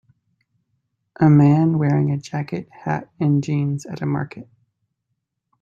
A man wearing a jacket, hat and jeans at a market